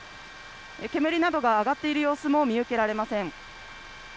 煙などが上がっている様子も見受けられません。